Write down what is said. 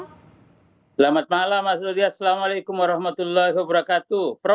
selamat malam mas ludia assalamualaikum warahmatullahi wabarakatuh